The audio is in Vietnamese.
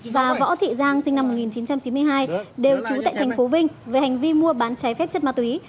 và võ thị giang sinh năm một nghìn chín trăm chín mươi hai đều trú tại thành phố vinh về hành vi mua bán trái phép chất ma túy